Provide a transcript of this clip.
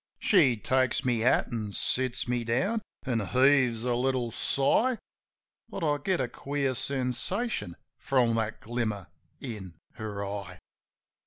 She takes my hat an' sits me down an' heaves a little sigh. But I get a queer sensation from that glimmer in her eye.